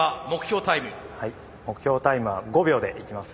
目標タイムは５秒でいきます。